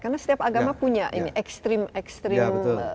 karena setiap agama punya ini ekstrim ekstrim pemikiran yang